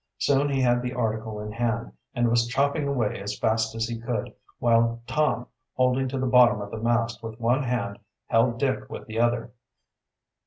Soon he had the article in hand, and was chopping away as fast as he could, while Tom, holding to the bottom of the mast with one hand, held Dick with the other.